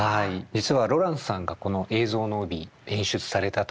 実はロランスさんがこの「映像の帯」演出されたというお話を聞きました。